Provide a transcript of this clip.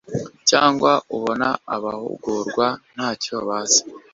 cyangwa ubona abahugurwa nacyo bazi